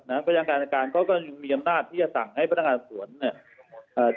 พนักงานการก็จะมีอำนาจที่จะสั่งให้พนักงานสวนเนี่ย